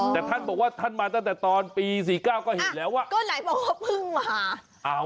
แต่ท่านบอกว่าท่านมาตั้งแต่ตอนปี๔๙ก็เห็นแล้วว่าก็ไหนบอกว่าเพิ่งมา